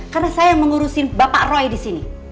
karena saya yang mengurusin bapak roy disini